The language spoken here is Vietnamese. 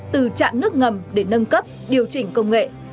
từ trạm nước ngầm để nâng cấp điều chỉnh công nghệ